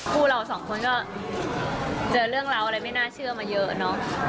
พวกเราสองคนก็เจอเรื่องราวอะไรไม่น่าเชื่อมาเยอะเนอะ